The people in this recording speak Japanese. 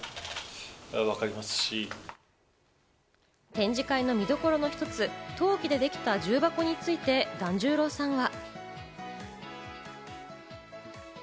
展示会の見どころの一つ、陶器でできた重箱について團十郎さんは。